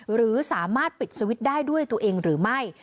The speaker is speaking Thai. หรือสามารถปิดสวิตช์ได้ด้วยตัวเองหรือไม่